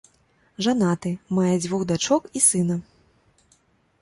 Жанаты, мае дзвюх дачок і сына.